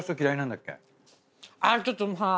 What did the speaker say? あっちょっとはい。